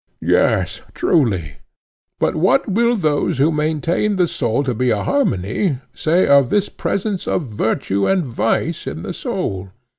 Yes, truly. But what will those who maintain the soul to be a harmony say of this presence of virtue and vice in the soul?